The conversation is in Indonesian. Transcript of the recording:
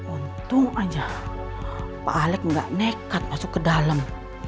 untung aja pak alex gak nekat masuk ke dalam